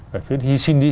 phải hy sinh đi